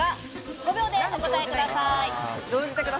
５秒でお答えください。